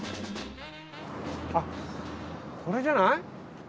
あっこれじゃない？